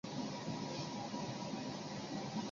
肿管蚜为常蚜科肿管蚜属下的一个种。